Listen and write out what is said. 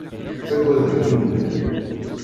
Ttagaden imennan.